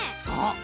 そう！